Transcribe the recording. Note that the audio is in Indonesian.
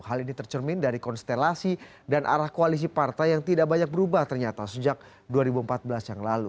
hal ini tercermin dari konstelasi dan arah koalisi partai yang tidak banyak berubah ternyata sejak dua ribu empat belas yang lalu